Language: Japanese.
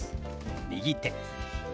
「右手」。